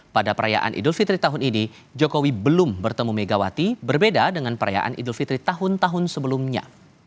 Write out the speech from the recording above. pada perayaan idul fitri tahun ini jokowi belum bertemu megawati berbeda dengan perayaan idul fitri tahun tahun sebelumnya